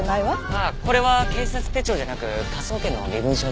ああこれは警察手帳じゃなく科捜研の身分証です。